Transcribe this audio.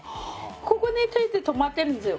ここについて止まってるんですよ。